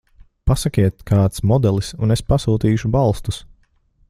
Pasakiet kāds modelis un es pasūtīšu balstus.